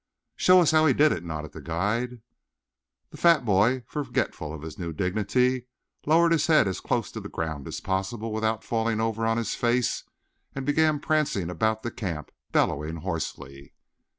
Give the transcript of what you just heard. "Show us how he did it," nodded the guide. The fat boy, forgetful of his new dignity, lowered his head as close to the ground as possible without falling over on his face and began prancing about the camp, bellowing hoarsely.